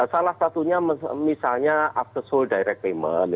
salah satunya misalnya after sale direct payment